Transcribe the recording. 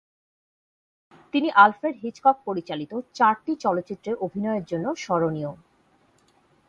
তিনি Alfred Hitchcock পরিচালিত চারটি চলচ্চিত্রে অভিনয়ের জন্য স্মরণীয়।